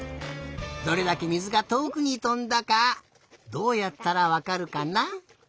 どれだけ水がとおくにとんだかどうやったらわかるかな？